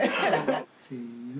せの。